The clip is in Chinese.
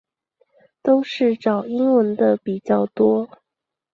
都是找英文的比较多